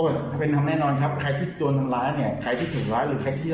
ใครที่โดนทำลายเนี้ยใครที่ถูกร้ายหรือใครที่ทำลายเขาเนี้ย